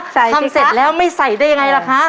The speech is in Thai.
ทำเสร็จแล้วไม่ใส่ได้ยังไงล่ะคะ